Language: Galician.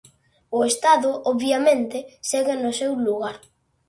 O Estado, obviamente, segue no seu lugar.